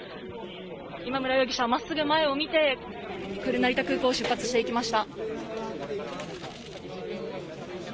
今村容疑者はまっすぐ前を見て、成田空港を出発していきました。